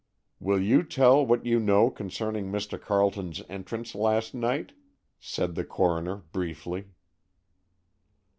"Will you tell what you know concerning Mr. Carleton's entrance last night?" said the coroner, briefly.